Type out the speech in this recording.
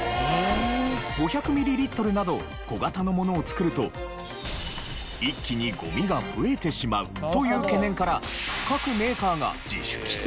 ５００ミリリットルなど小型のものを作ると一気にゴミが増えてしまうという懸念から各メーカーが自主規制。